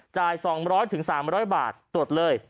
จ่าย๒๐๐๓๐๐บาทตรวจเลย